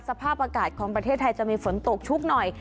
สภาพอากาศของประเทศไทยจะมีฝนตกชุกหน่อย